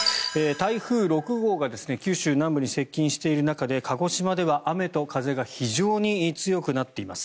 台風６号が九州南部に接近している中で鹿児島では雨と風が非常に強くなっています。